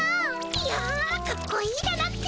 いやかっこいいだなんて。